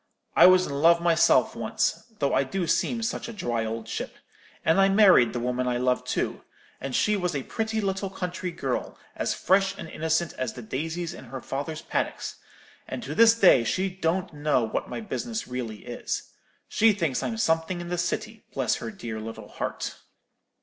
I was in love myself once, though I do seem such a dry old chip; and I married the woman I loved too; and she was a pretty little country girl, as fresh and innocent as the daisies in her father's paddocks; and to this day she don't know what my business really is. She thinks I'm something in the City, bless her dear little heart!'